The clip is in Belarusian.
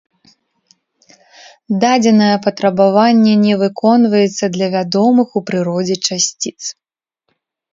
Дадзенае патрабаванне не выконваецца для вядомых у прыродзе часціц.